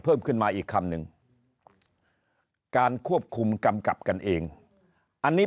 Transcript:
เพิ่มขึ้นมาอีกคำหนึ่งการควบคุมกำกับกันเองอันนี้